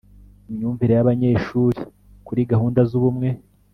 Imyumvire y abanyeshuri kuri gahunda z ubumwe